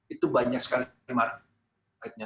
itu banyak sekali marketnya